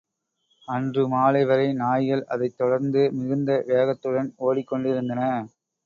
அன்று மாலை வரை நாய்கள் அதைத் தொடர்ந்து மிகுந்த வேகத்துடன் ஓடிக்கொண்டிருந்தன.